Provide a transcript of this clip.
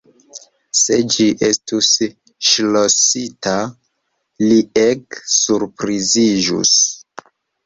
Se ĝi estus ŝlosita, li ege surpriziĝus.